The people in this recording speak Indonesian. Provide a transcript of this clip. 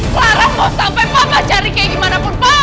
clara mau sampai papa cari kayak gimana pun pak